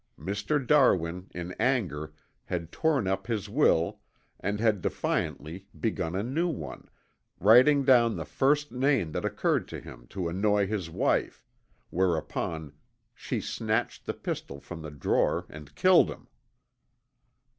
Mr. Darwin in anger had torn up his will and had defiantly begun a new one, writing down the first name that occurred to him to annoy his wife, whereupon she snatched the pistol from the drawer and killed him.